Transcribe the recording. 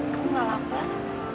kamu gak lapar